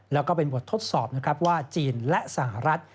แล้วก็เป็นบททดสอบนะครับว่าจีนและสหรัฐ